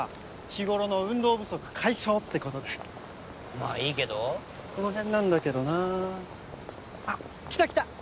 日頃の運動不足解消ってことでまぁいいけどこの辺なんだけどなあっ来た来た！